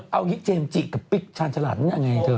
เอางี้เจมส์จิกับปิ๊กชาญฉลาดยังไงเธอ